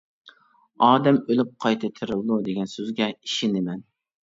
ئادەم ئۆلۈپ قايتا تىرىلىدۇ، دېگەن سۆزگە ئىشىنىمەن.